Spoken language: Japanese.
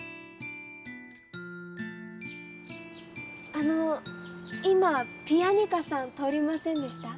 あの今ピアニカさん通りませんでした？